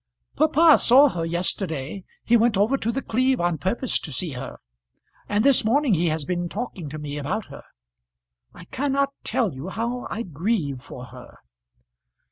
"Papa saw her yesterday. He went over to The Cleeve on purpose to see her; and this morning he has been talking to me about her. I cannot tell you how I grieve for her."